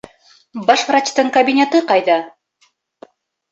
Баш врачтың кабинеты ҡайҙа?